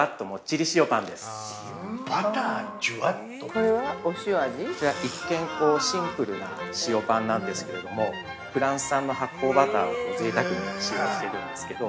◆こちら、一見シンプルな塩パンなんですけれどもフランス産の発酵バターをぜいたくに使用しているんですけど。